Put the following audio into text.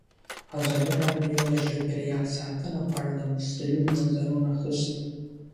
ازادي راډیو د چاپیریال ساتنه په اړه د مسؤلینو نظرونه اخیستي.